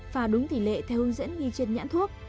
phà đúng tỷ lệ theo hướng dẫn ghi trên nhãn thuốc